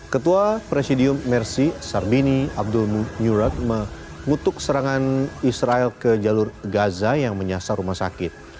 ketua presidium mercy sarbini abdul murad mengutuk serangan israel ke jalur gaza yang menyasar rumah sakit